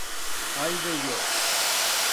Ai de yo!